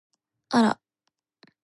あら！